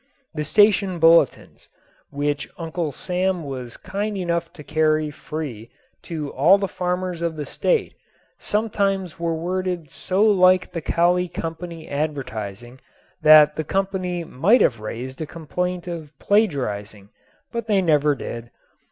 The station bulletins which Uncle Sam was kind enough to carry free to all the farmers of the state sometimes were worded so like the Kali Company advertising that the company might have raised a complaint of plagiarizing, but they never did.